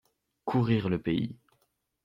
Courir le pays.